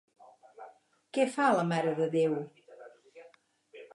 Què fa la Mare de Déu?